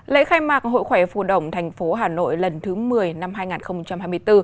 lễ khai mạc hội khoẻ phù đồng tp hà nội lần thứ một mươi năm hai nghìn hai mươi bốn